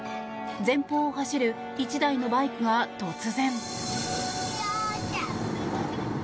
前方を走る１台のバイクが突然。